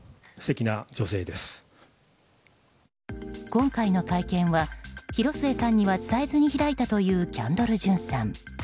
今回の会見は、広末さんには伝えずに開いたというキャンドル・ジュンさん。